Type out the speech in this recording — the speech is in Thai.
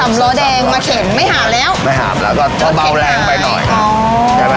ไม่หากละก็เพราะเราแรงไปหน่อย